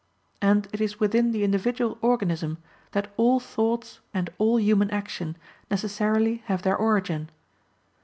And it is within the individual organism that all thoughts and all human action necessarily have their origin.